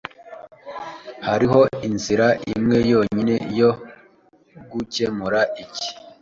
Hariho inzira imwe yonyine yo gukemura iki.